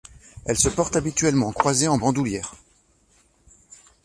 Elle se porte habituellement croisée en bandoulière.